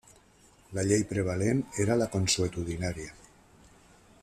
La llei prevalent era la consuetudinària.